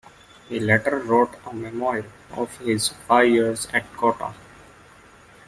He later wrote a memoir of his five years at Cotton.